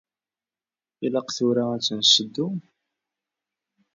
Ilaq tura ad ten-nseddu?